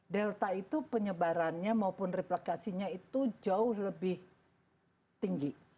delta itu penyebarannya maupun replikasinya itu jauh lebih tinggi